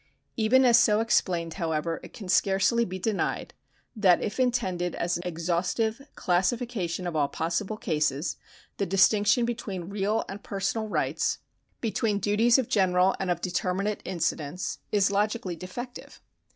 Even as so explained, however, it can scarcely be denied, that if intended as an ex haustive classification of all possible cases, the distinction between real and personal rights — between duties of general and of determinate incidence — is logically defective.